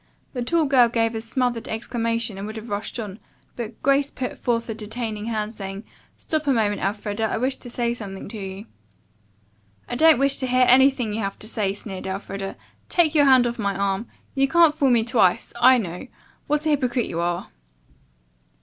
The tall girl gave a smothered exclamation and would have rushed on, but Grace put forth a detaining hand, saying: "Stop a moment, Elfreda. I wish to say something to you." "I don't wish to hear anything you have to say," sneered Elfreda. "Take your hand off my arm. You can't fool me twice. I know What a hypocrite you are."